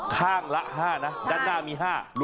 ข้างหลังมี๔